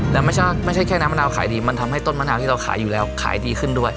แต่ไม่ใช่แค่น้ำมะนาวขายดีมันทำให้ต้นมะนาวที่เราขายอยู่แล้วขายดีขึ้นด้วย